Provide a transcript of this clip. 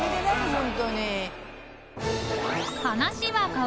本当に。